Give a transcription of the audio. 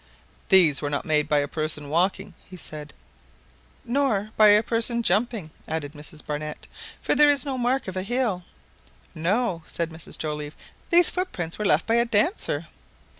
"These were not made by a person walking," he said. "Nor by a person jumping," added Mrs Barnett; "for there is no mark of a heel." "No," said Mrs Joliffe; "these footprints were left by a dancer."